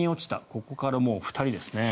ここから２人ですね。